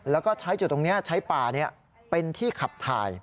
แล้วก็ใช้จุดตรงนี้ใช้ป่าเป็นที่ขับถ่าย